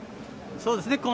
そうですね。